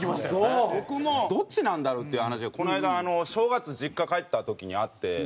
僕もどっちなんだろうっていう話でこの間正月実家帰った時にあって。